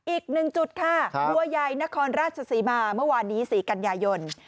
อีกหนึ่งจุดค่ะบัวใหญ่นครราชศรีมาเมื่อวานนี้๔กันยายน